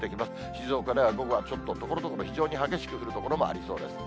静岡では午後ちょっと、ところどころ非常に激しく降る所もありそうです。